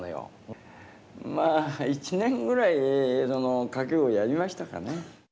まあ１年ぐらい賭け碁をやりましたかね。